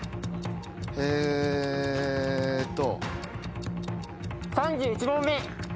えっと。